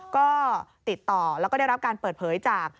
ก็ติดต่อแล้วก็ได้รับการเปิดเผยจาก